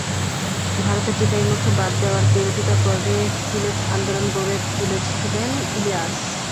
ভারতের টিপাইমুখে বাঁধ দেওয়ার বিরোধিতা করে সিলেটে আন্দোলন গড়ে তুলেছিলেন ইলিয়াস।